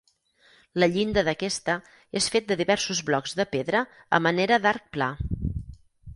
La llinda d'aquesta és fet de diversos blocs de pedra a manera d'arc pla.